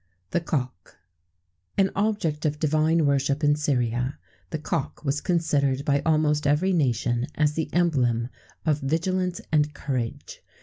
THE COCK. An object of divine worship in Syria,[XVII 5] the cock was considered by almost every nation as the emblem of vigilance and courage.